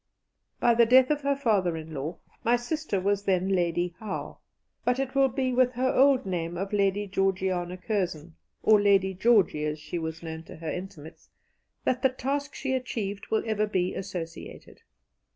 By the death of her father in law, my sister was then Lady Howe, but it will be with her old name of Lady Georgiana Curzon or "Lady Georgie" as she was known to her intimates that the task she achieved will ever be associated.